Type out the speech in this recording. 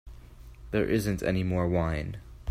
There isn't any more wine.